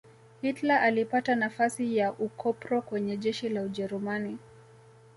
hitler alipata nafasi ya ukopro kwenye jeshi la ujerumani